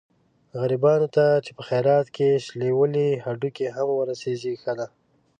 غریبانو ته چې په خیرات کې شپېلولي هډوکي هم ورسېږي ښه دي.